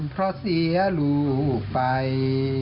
เพราะเสียลูกไป